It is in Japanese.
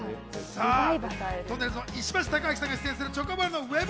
とんねるず・石橋貴明さんが出演するチョコボールのウェブ